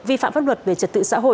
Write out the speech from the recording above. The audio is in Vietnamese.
vi phạm pháp luật về trật tự xã hội